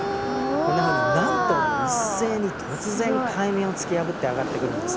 こんなふうに何頭も一斉に突然海面を突き破って上がってくるんです。